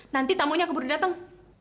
nanti tamunya keburu datang